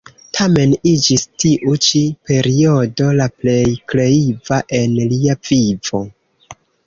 Tamen iĝis tiu ĉi periodo la plej kreiva en lia vivo.